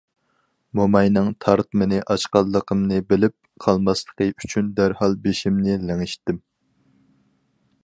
موماينىڭ تارتمىنى ئاچقانلىقىمنى بىلىپ قالماسلىقى ئۈچۈن دەرھال بېشىمنى لىڭشىتتىم.